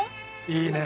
いいね。